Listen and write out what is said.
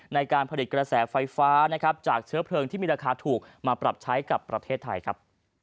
ในการผลิตกระแสไฟฟ้านะครับจากเชื้อเพลิงที่มีราคาถูกมาปรับใช้กับประเทศไทยครับ